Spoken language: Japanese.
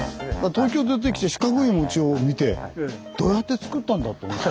東京出てきて四角い餅を見てどうやって作ったんだと思った。